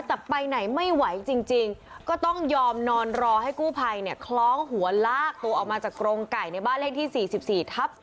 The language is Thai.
แต่ไปไหนไม่ไหวจริงก็ต้องยอมนอนรอให้กู้ภัยเนี่ยคล้องหัวลากตัวออกมาจากกรงไก่ในบ้านเลขที่๔๔ทับ๑